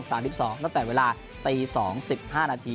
ตั้งแต่เวลาตี๒๕นาที